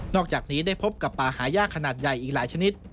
อกจากนี้ได้พบกับป่าหายากขนาดใหญ่อีกหลายชนิด